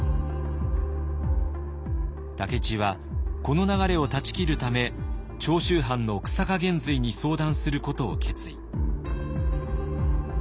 武市はこの流れを断ち切るため長州藩の久坂玄瑞に相談することを決意。